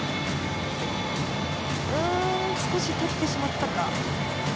少し立ってしまったか。